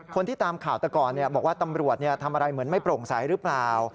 คนที่ตามข่าวแต่ก่อนบอกว่าตำรวจทำอะไรเหมือนไม่โปร่งใสหรือเปล่า